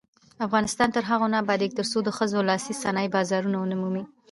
افغانستان تر هغو نه ابادیږي، ترڅو د ښځو لاسي صنایع بازار ونه مومي.